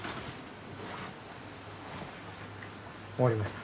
終わりました？